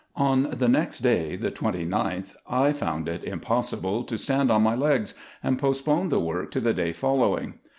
On the next day, the 29th, I found it impossible to stand on my legs, and postponed the work to the day following.